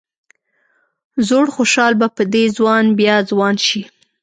زوړ خوشال به په دې ځوان بیا ځوان شي.